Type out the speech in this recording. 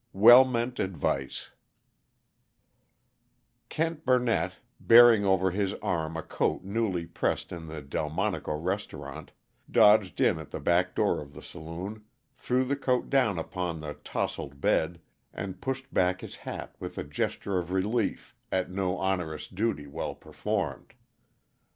WELL MEANT ADVICE Kent Burnett, bearing over his arm a coat newly pressed in the Delmonico restaurant, dodged in at the back door of the saloon, threw the coat down upon the tousled bed, and pushed back his hat with a gesture of relief at an onerous duty well performed.